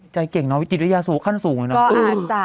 ใจเก่งเนาะวิจิตรยาสูงขั้นสูงเลยเนาะ